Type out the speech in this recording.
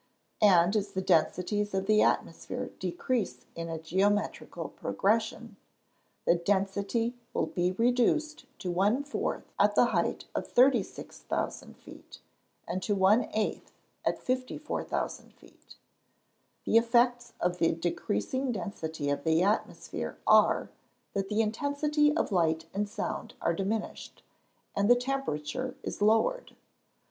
And as the densities of the atmosphere decrease in a geometrical progression, the density will be reduced to one fourth at the height of 36,000 feet; and to one eighth at 54,000 feet. The effects of the decreasing density of the atmosphere are, that the intensity of light and sound are diminished, and the temperature is lowered.